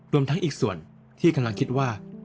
รวมทั้งอีกส่วนที่กำลังคิดว่า